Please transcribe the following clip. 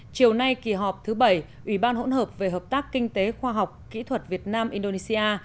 chiều nay kỳ họp thứ bảy ủy ban hỗn hợp về hợp tác kinh tế khoa học kỹ thuật việt nam indonesia